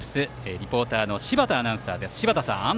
リポーターの柴田アナウンサーです。